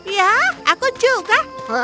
ya aku juga